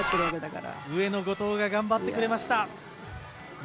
上野、後藤が頑張ってくれました。